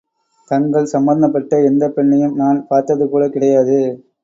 தங்கள் சம்பந்தப்பட்ட எந்தப் பெண்ணையும் நான் பார்த்ததுகூடக் கிடையாது.